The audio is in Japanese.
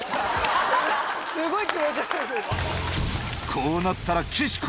こうなったら岸子！